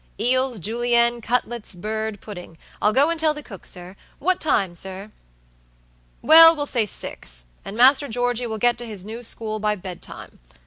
"Eels, Julienne, cutlets, bird, puddingI'll go and tell the cook, sir. What time, sir?" "Well, we'll say six, and Master Georgey will get to his new school by bedtime.